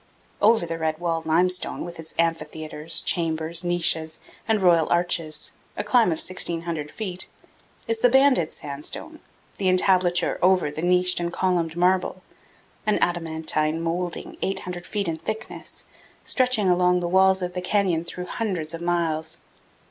385 Over the red wall limestone, with its amphitheaters, chambers, niches, and royal arches a climb of 1,600 feet is the banded sandstone, the entablature over the niched and columned marble, an adamantine molding 800 feet in thickness, stretching along the walls of the canyon through hundreds of miles.